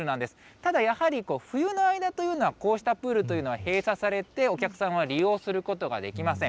ただやはり冬の間というのは、こうしたプールというのは閉鎖されて、お客さんは利用することができません。